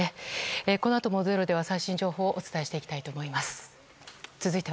このあとも「ｚｅｒｏ」では最新情報をお伝えしていきたいと思います。